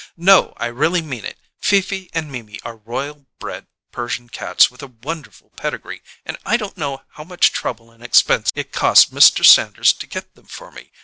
"No, I really mean it! Fifi and Mimi are royal bred Persian cats with a wonderful pedigree, and I don't know how much trouble and expense it cost Mr. Sanders to get them for me.